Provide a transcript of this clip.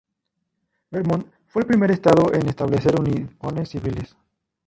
Vermont fue el primer estado en establecer uniones civiles.